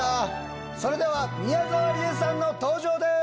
それでは宮沢りえさんの登場です！